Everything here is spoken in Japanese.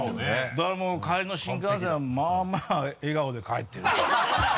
だからもう帰りの新幹線まぁまぁ笑顔で帰ってる。